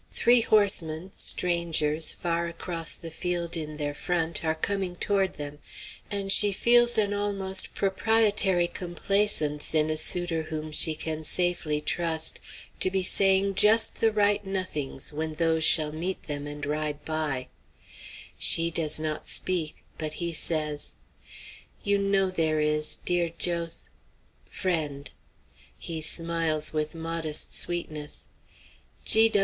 Three horsemen, strangers, far across the field in their front, are coming toward them, and she feels an almost proprietary complacence in a suitor whom she can safely trust to be saying just the right nothings when those shall meet them and ride by. She does not speak; but he says: "You know there is, dear Jos friend!" He smiles with modest sweetness.